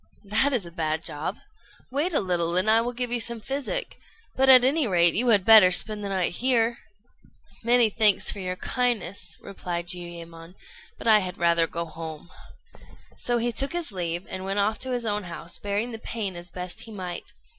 "That is a bad job. Wait a little, and I will give you some physic; but, at any rate, you had better spend the night here." "Many thanks for your kindness," replied Jiuyémon; "but I had rather go home." So he took his leave, and went off to his own house, bearing the pain as best he might.